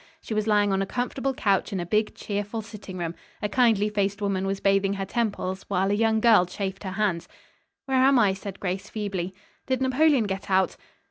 She was lying on a comfortable couch in a big, cheerful sitting room. A kindly faced woman was bathing her temples, while a young girl chafed her hands. "Where am I?" said Grace feebly. "Did Napoleon get out?"